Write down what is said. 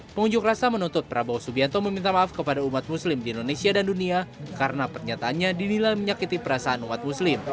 pengunjuk rasa menuntut prabowo subianto meminta maaf kepada umat muslim di indonesia dan dunia karena pernyataannya dinilai menyakiti perasaan umat muslim